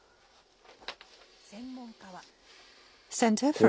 専門家は。